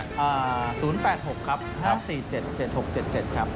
อ่า๐๘๖ครับ๕๔๗๗๖๗๗ครับครับ